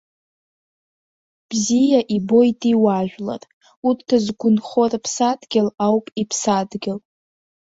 Бзиа ибоит иуаажәлар, урҭ зқәынхо рыԥсадгьыл ауп иԥсадгьыл.